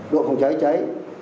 độ phòng cháy cháy